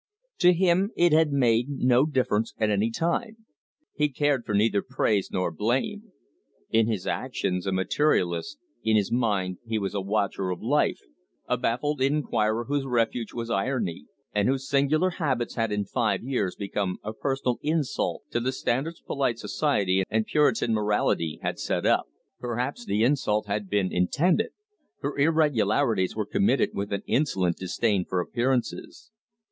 To him it had made no difference at any time. He cared for neither praise nor blame. In his actions a materialist, in his mind he was a watcher of life, a baffled inquirer whose refuge was irony, and whose singular habits had in five years become a personal insult to the standards polite society and Puritan morality had set up. Perhaps the insult had been intended, for irregularities were committed with an insolent disdain for appearances.